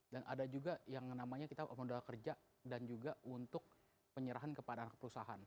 dan ada juga yang namanya kita modal kerja dan juga untuk penyerahan kepadangan perusahaan